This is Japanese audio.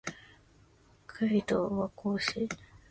北海道和寒町